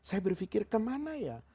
saya berpikir kemana ya